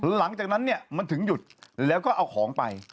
หลังจากนั้นเนี่ยมันถึงหยุดแล้วก็เอาของไป